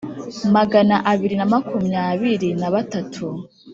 magana abiri na makumyabiri na batatu